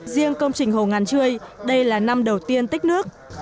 riêng công trình hồ ngàn trươi đây là năm đầu tiên tích nước